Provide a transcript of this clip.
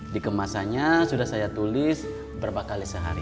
dikemasannya sudah saya tulis berapa kali sehari